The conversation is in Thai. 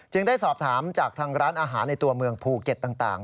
ได้สอบถามจากทางร้านอาหารในตัวเมืองภูเก็ตต่าง